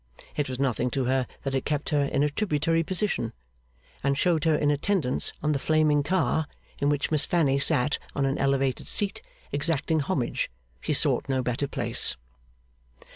It was nothing to her that it kept her in a tributary position, and showed her in attendance on the flaming car in which Miss Fanny sat on an elevated seat, exacting homage; she sought no better place.